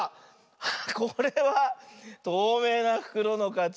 あっこれはとうめいなふくろのかち。